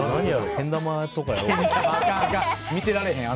けん玉とかやろうかな。